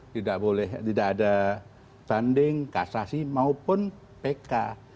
tidak boleh tidak ada banding kasasi maupun pk